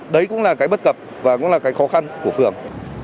đấy cũng là cái bất cập và cũng là cái khó khăn của phường